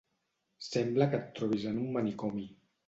Sembla que et trobis en un manicomi